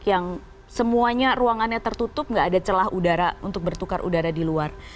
yang semuanya ruangannya tertutup nggak ada celah udara untuk bertukar udara di luar